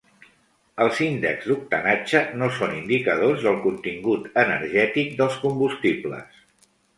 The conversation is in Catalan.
Els índexs d'octanatge no són indicadors del contingut energètic dels combustibles.